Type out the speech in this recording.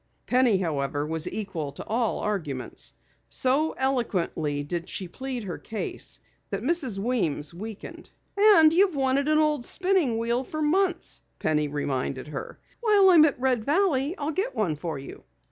Penny, however, was equal to all arguments. So eloquently did she plead her case that Mrs. Weems weakened. "You've wanted an old spinning wheel for months," Penny reminded her. "While I'm at Red Valley I'll get one for you."